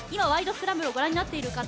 スクランブル」をご覧になっている方